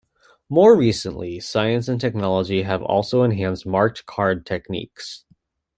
More recently, science and technology have also enhanced marked-card techniques.